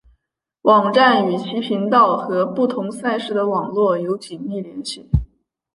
网站与其频道和不同赛事的网络有紧密联系。